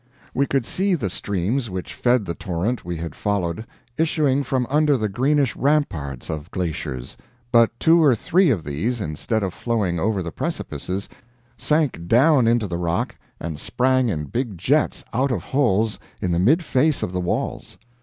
We could see the streams which fed the torrent we had followed issuing from under the greenish ramparts of glaciers; but two or three of these, instead of flowing over the precipices, sank down into the rock and sprang in big jets out of holes in the mid face of the walls.